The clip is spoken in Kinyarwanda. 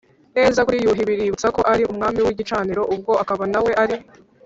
neza kuri yuhi biributsa ko ari umwami w’igicaniro, ubwo akaba na we ari